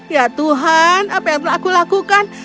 ya tuhan apa yang telah aku lakukan